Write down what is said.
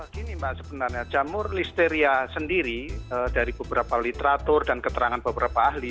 gini mbak sebenarnya jamur listeria sendiri dari beberapa literatur dan keterangan beberapa ahli